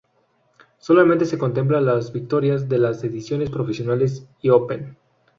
Solamente se contemplan las victorias de las ediciones profesionales y "open".